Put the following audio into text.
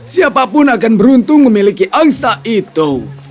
siapapun akan beruntung memiliki angsa itu